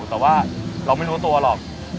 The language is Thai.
แต่ว่าเราไม่รู้ตัวหรอก